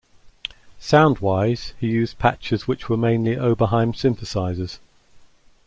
Sound-wise, he used patches which were mainly Oberheim synthesizers.